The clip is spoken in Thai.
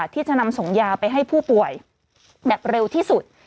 ที่จะนำส่งยาไปให้ผู้ป่วยแบบเร็วที่สุด